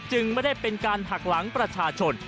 ไม่ได้เป็นการหักหลังประชาชน